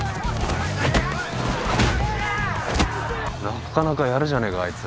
なかなかやるじゃねえかあいつ。